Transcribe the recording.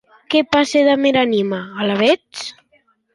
Qué passe damb era anima, alavetz?